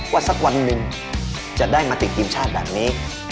สักวันหนึ่งจะได้มาติดทีมชาติแบบนี้